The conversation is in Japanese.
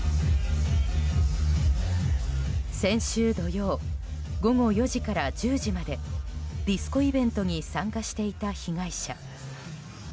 先週土曜午後４時から１０時までディスコイベントに参加していた被害者。